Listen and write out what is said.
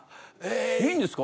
いいんですか？